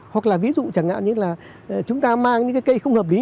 hoặc là ví dụ chẳng hạn như là chúng ta mang những cái cây không hợp lý